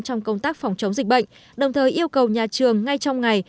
trong công tác phòng chống dịch bệnh đồng thời yêu cầu nhà trường ngay trong ngày